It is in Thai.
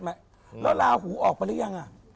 แล้วลาหูออกไปหรือยัง